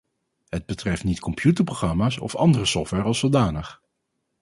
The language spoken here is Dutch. Het betreft niet computerprogramma's of andere software als zodanig.